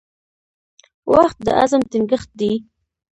• وخت د عزم ټینګښت دی.